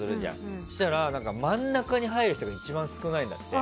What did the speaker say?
そうしたら、真ん中に入る人が一番少ないんだって。